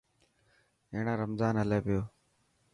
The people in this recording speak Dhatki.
هيڻا رمضان هلي پيو.